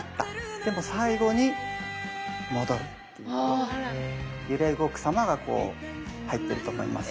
でも最後に戻るって言って揺れ動く様がこう入ってると思います。